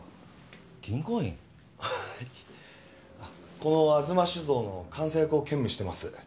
この吾妻酒造の監査役を兼務してます。